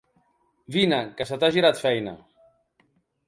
Vine, que se t'ha girat feina.